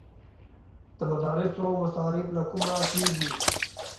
د مدرسو مصارف له کومه کیږي؟